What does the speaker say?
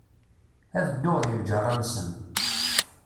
Ad dduɣ di lğerra-nsen.